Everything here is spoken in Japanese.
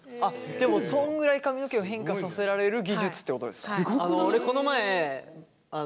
でもそんぐらい髪の毛を変化させられる技術ってことですか？